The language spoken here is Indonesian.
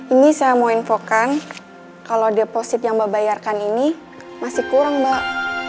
ini saya mau infokan kalau deposit yang mbak bayarkan ini masih kurang mbak